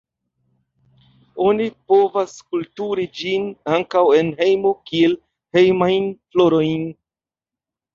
Oni povas kulturi ĝin ankaŭ en hejmoj kiel hejmajn florojn.